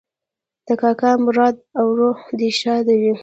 د کاکا مراد اوراح دې ښاده وي